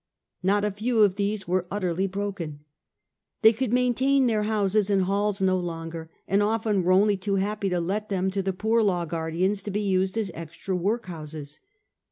Not a few of these were utterly broken. They could maintain their houses and halls no longer, and often were only too happy to let them to the poor law guardians to be used as extra workhouses.